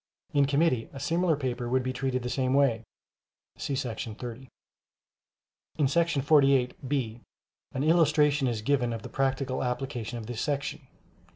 In committee a similar paper would be treated the same way [see § 30]. In § 48 (b) an illustration is given of the practical application of this section.